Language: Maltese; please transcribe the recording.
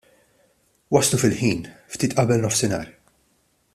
Waslu fil-ħin, ftit qabel nofsinhar.